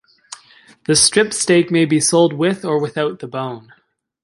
The strip steak may be sold with or without the bone.